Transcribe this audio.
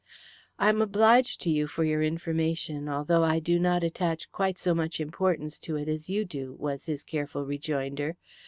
"I am obliged to you for your information, although I do not attach quite so much importance to it as you do," was his careful rejoinder.